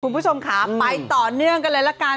คุณผู้ชมค่ะไปต่อเนื่องกันเลยละกัน